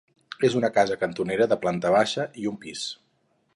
És una casa cantonera de planta baixa i un pis.